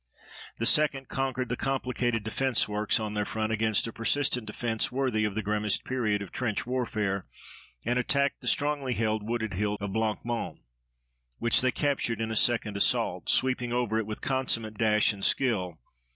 The 2d conquered the complicated defense works on their front against a persistent defense worthy of the grimmest period of trench warfare and attacked the strongly held wooded hill of Blanc Mont, which they captured in a second assault, sweeping over it with consummate dash and skill.